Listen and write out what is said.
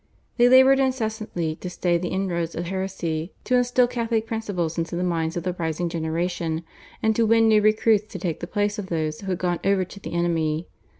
They laboured incessantly to stay the inroads of heresy, to instil Catholic principles into the minds of the rising generation, and to win new recruits to take the place of those who had gone over to the enemy.